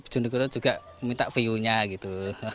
jundegara juga minta view nya gitu